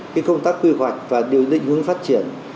cái công tác quy hoạch và điều định hướng phát triển